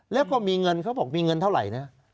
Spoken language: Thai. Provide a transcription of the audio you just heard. แล้วก็มีเงินเขาบอกมีเงินเท่าไหร่นะ